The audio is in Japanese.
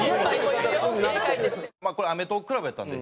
これアメトーークＣＬＵＢやったんで。